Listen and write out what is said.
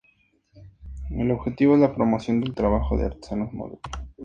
El objetivo es la promoción del trabajo de artesanos modernos.